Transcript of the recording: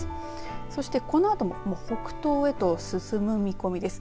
そしてこのあとも北東へと進む見込みです。